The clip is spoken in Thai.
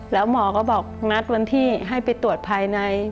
แล้วหมอก็บอกนัดวันที่ให้ไปตรวจภายใน